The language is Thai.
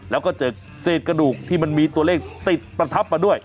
แล้วก็เจอเศษกระดูกที่มันมีตัวเลขติดประทับมาด้วย